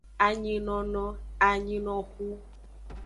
Anyinono, anyinoxu.